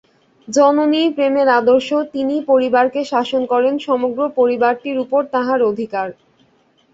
জননীই প্রেমের আদর্শ, তিনিই পরিবারকে শাসন করেন, সমগ্র পরিবারটির উপর তাঁহার অধিকার।